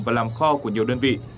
và làm kho của nhiều đơn vị